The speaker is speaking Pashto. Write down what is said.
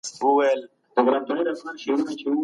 دا صرف میر دي لېوني کړي